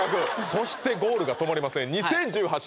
そしてゴールが止まりません２０１８